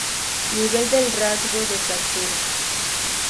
Nivel del rasgo de fractura.